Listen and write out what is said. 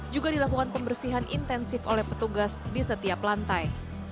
juga dilakukan pembersihan intensif oleh petugas di setiap lantai